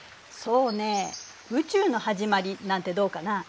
そうねぇ「宇宙のはじまり」なんてどうかな？